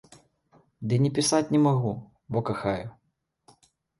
Ды не пісаць не магу, бо кахаю.